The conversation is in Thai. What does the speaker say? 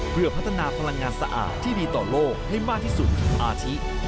เพื่อพัฒนาพลังงานสะอาดที่มีต่อโลกให้มากที่สุดอาทิ